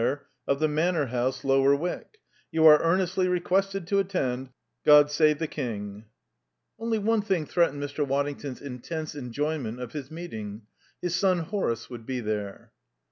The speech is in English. OF THE MANOR HOUSE, LOWER WYCK. YOU ARE EARNESTLY REQUESTED TO ATTEND. GOD SAVE THE KING! Only one thing threatened Mr. Waddington's intense enjoyment of his meeting: his son Horace would be there.